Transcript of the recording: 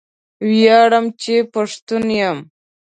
ویاړم چې پښتون یم